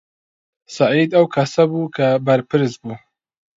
سەعید ئەو کەسە بوو کە بەرپرس بوو.